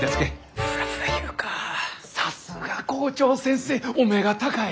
さすが校長先生お目が高い！